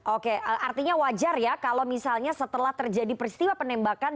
oke artinya wajar ya kalau misalnya setelah terjadi peristiwa penembakan